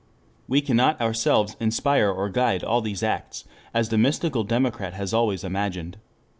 We cannot ourselves inspire or guide all these acts, as the mystical democrat has always imagined.